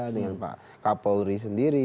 dengan pak kapolri sendiri